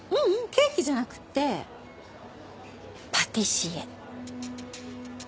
ケーキじゃなくてパティシエ。